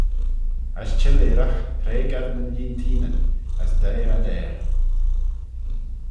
As chelleeragh hreig ad nyn lieenteenyn, as deiyr ad er.